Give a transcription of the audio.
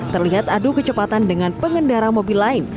terlihat adu kecepatan dengan pengendara mobil lain